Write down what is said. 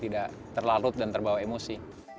tidak terlarut dan terbawa emosi